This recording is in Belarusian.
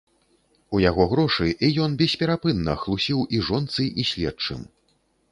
У яго грошы, і ён бесперапынна хлусіў і жонцы, і следчым.